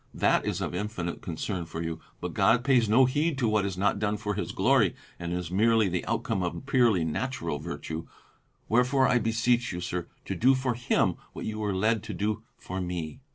That is of infinite concern for you. But God pays no heed to what is not done for his glory and is merely the outcome of purely natural virtue. Wherefore I beseech you, sir, to do for Him what you were led to do for me."